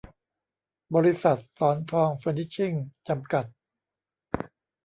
บริษัท ศรทองเฟอนิชชิ่ง จำกัด